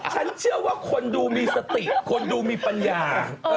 ฉันเชื่อว่าคนดูมีสติคนดูมีปัญญา